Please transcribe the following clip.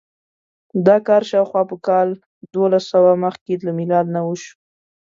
دا کار شاوخوا په کال دوولسسوه مخکې له میلاد نه وشو.